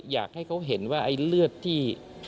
อยากให้เขาเห็นว่าไอ้เลือดที่